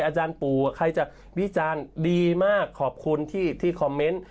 อาจารย์ปู่ใครจะวิจารณ์ดีมากขอบคุณที่คอมเมนต์